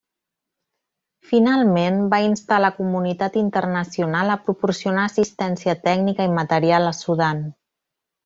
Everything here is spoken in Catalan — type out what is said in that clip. Finalment, va instar a la comunitat internacional a proporcionar assistència tècnica i material a Sudan.